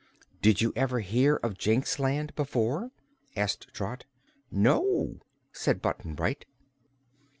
"Did you ever hear of Jinxland before?" asked Trot. "No," said Button Bright.